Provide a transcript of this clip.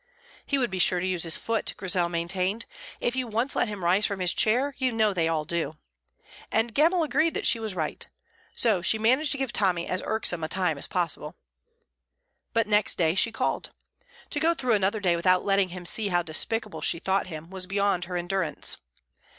"He would be sure to use his foot," Grizel maintained, "if you once let him rise from his chair; you know they all do." And Gemmell agreed that she was right. So she managed to give Tommy as irksome a time as possible. But next day she called. To go through another day without letting him see how despicable she thought him was beyond her endurance.